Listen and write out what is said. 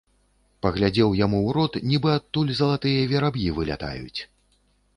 Паглядзеў яму ў рот, нібы адтуль залатыя вераб'і вылятаюць.